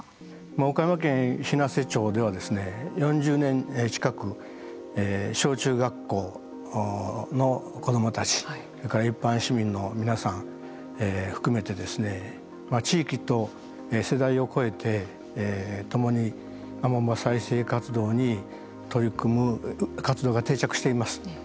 まあ岡山県日生町ではですね４０年近く小中学校の子供たちそれから一般市民の皆さん含めてですね地域と世代を超えて共にアマモ再生活動に取り組む活動が定着しています。